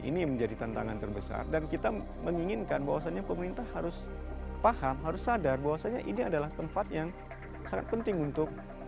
ini menjadi tantangan terbesar dan kita menginginkan bahwasannya pemerintah harus paham harus sadar bahwasannya ini adalah tempat yang sangat penting untuk